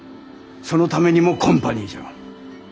そのためにもコンパニーじゃ。